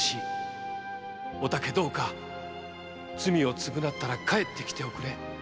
「お竹どうか罪を償ったら帰ってきておくれ」